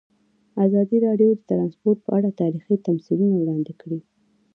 ازادي راډیو د ترانسپورټ په اړه تاریخي تمثیلونه وړاندې کړي.